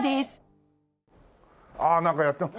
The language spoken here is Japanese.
ああなんかやってる。